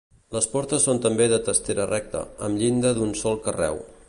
Les portes són també de testera recta, amb llinda d'un sol carreu.